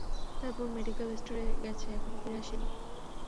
তোর বোন মেডিকেল স্টোরে গেছে, এখনো ফিরে আসেনি।